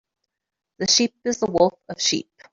The sheep is the wolf of sheep.